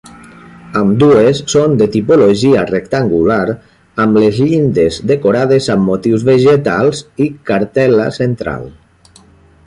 Ambdues són de tipologia rectangular, amb les llindes decorades amb motius vegetals i cartel·la central.